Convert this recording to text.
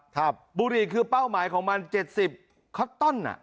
บุรีคือเป้าหมายของมัน๗๐คอตตันอ่ะ